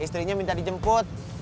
istrinya minta dijemput